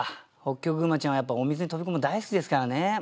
きょくぐまちゃんはやっぱお水に飛び込むの大好きですからねうん。